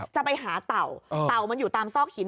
จะไปหาเต่าเต่ามันอยู่ตามซอกหิน